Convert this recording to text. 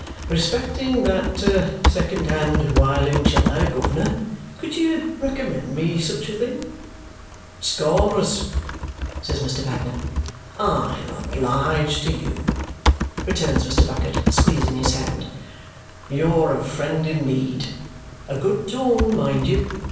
"Respecting that second hand wiolinceller, governor could you recommend me such a thing?" "Scores," says Mr. Bagnet. "I am obliged to you," returns Mr. Bucket, squeezing his hand. "You're a friend in need. A good tone, mind you!